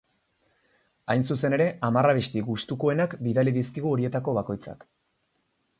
Hain zuzen ere, hamar abesti gustukoenak bidali dizkigu horietako bakoitzak.